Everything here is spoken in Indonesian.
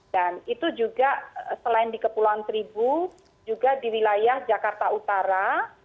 dan itu juga selain di kepulauan seribu juga di wilayah jakarta utara